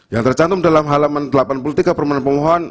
yang tercantum dalam halaman delapan puluh tiga permohonan pemohon